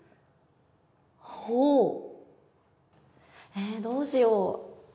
えどうしよう。